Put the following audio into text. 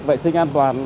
vệ sinh an toàn